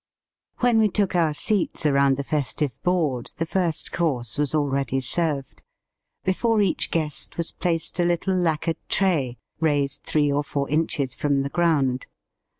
When we took our seats around the festive board, the first course was already served. Before each guest was placed a little lacquered tray, raised three or four inches from the ground.